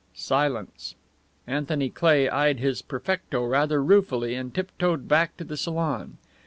Silence. Anthony Cleigh eyed his perfecto rather ruefully and tiptoed back to the salon.